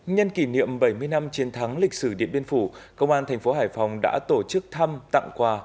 nhân kỷ niệm bảy mươi năm chiến thắng lịch sử điện biên phủ công an thành phố hải phòng đã tổ chức thăm tặng quà